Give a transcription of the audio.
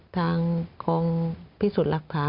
ทางกองพิสูจน์หลักฐาน